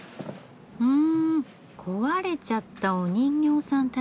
うん壊れちゃったお人形さんたちか。